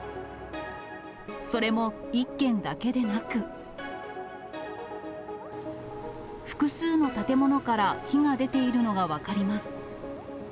それも１軒だけでなく、複数の建物から火が出ているのが分かります。